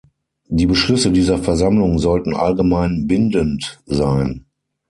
Die Beschlüsse dieser Versammlung sollten allgemein bindend sein.